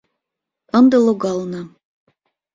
— Ынде логална.